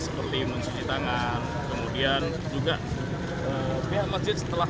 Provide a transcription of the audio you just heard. seperti mencegah tangan kemudian juga pihak masjid setelah berjalan